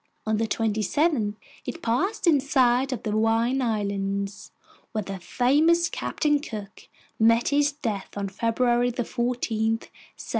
On the 27th it passed in sight of the Hawaiian Islands, where the famous Captain Cook met his death on February 14, 1779.